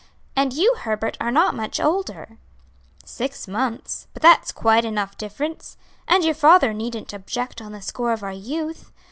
And you, Herbert, are not much older." "Six months; but that's quite enough difference. And your father needn't object on the score of our youth.